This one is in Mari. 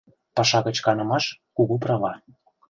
Паша гыч канымаш — кугу права